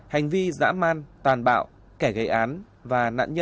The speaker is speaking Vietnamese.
hành vi dã man tàn bạo kẻ gây án và nạn nhân đều là người tội nghiệp